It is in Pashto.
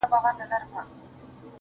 زما زړه په محبت باندي پوهېږي,